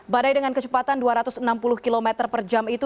badai dengan kecepatan dua ratus enam puluh km per jam itu